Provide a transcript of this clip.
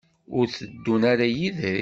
Ur tteddun ara yid-k?